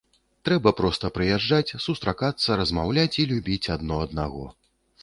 Трэба проста прыязджаць, сустракацца, размаўляць і любіць адно аднаго.